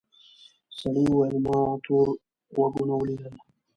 سړي وویل ما تور غوږونه ولیدل.